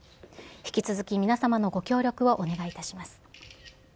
引き続き、皆様のご協力をお願いいたします。